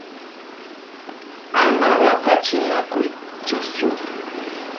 Ama waqachinakuychischu!